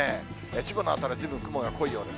千葉の辺りはずいぶん雲が濃いようです。